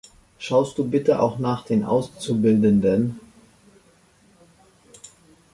Schaust du bitte auch nach den Auszubildenden?